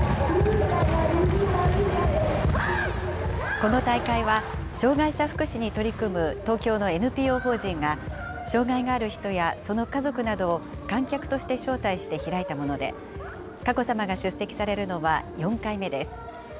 この大会は、障害者福祉に取り組む東京のＮＰＯ法人が、障害がある人やその家族などを観客として招待して開いたもので、佳子さまが出席されるのは４回目です。